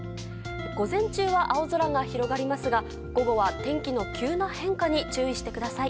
午前中は青空が広がりますが午後は天気の急な変化に注意してください。